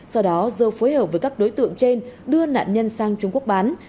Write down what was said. sau đó dơ phối hợp với các đối tượng trên đưa nạn nhân sang trung quốc bán